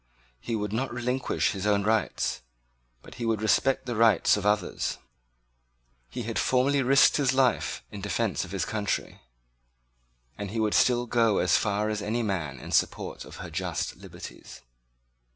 He would not relinquish his own rights; but he would respect the rights of others. He had formerly risked his life in defense of his country; and he would still go as far as any man in support of her just liberties.